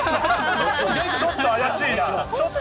ちょっと怪しいな。